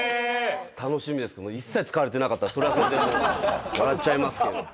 楽しみですけども一切使われてなかったらそれはそれで笑っちゃいますけど。